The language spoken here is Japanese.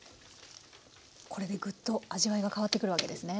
これでグッと味わいが変わってくるわけですね？